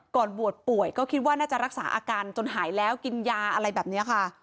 ก่อนบวชป่วยก็คิดว่าน่าจะรักษาอาการจนหายแล้วกินยาอะไรแบบนี้ค่ะ